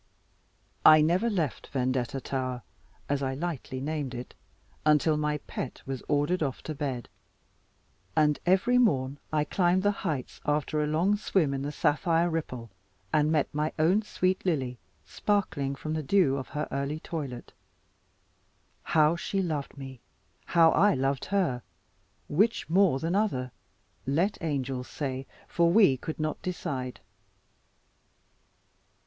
I never left Vendetta tower, as I lightly named it, until my pet was ordered off to bed; and every morn I climbed the heights, after a long swim in the sapphire ripple, and met my own sweet Lily sparkling from the dew of her early toilet. How she loved me, how I loved her; which more than other let angels say; for we could not decide.